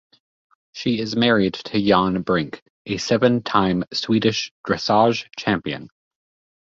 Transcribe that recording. She is married to Jan Brink, a seven-time Swedish dressage champion.